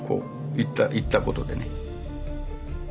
行ったことでね。